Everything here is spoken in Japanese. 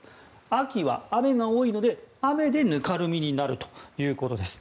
秋は雨が多いので雨でぬかるみになるということです。